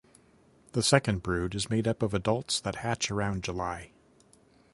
The second brood is made up of adults that hatch around July.